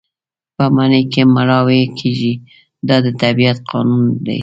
په مني کې مړاوي کېږي دا د طبیعت قانون دی.